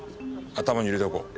頭に入れておこう。